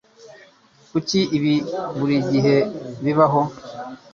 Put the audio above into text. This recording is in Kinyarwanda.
Kuki ibi buri gihe bimbaho?